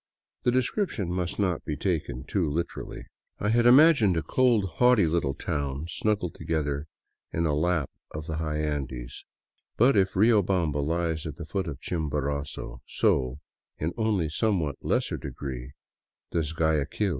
The description must not be taken too literally. I had imagined a cold, haughty little town snuggled together in a lap of the high Andes ; but if Riobamba lies at the foot of Chimborazo, so, in only somewhat lesser degree, does Guaya quil.